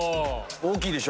大きいでしょ